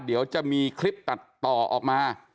เดี๋ยวจะมีคลิปตัดต่อออกมา